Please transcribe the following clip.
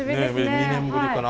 ２年ぶりかな。